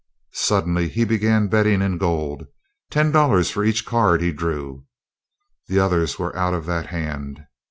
Suddenly he began betting in gold, ten dollars for each card he drew. The others were out of that hand.